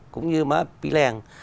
cũng như má pí lèng